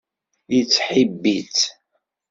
Yettḥibbi-tt.